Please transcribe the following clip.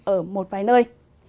ở một vài nơi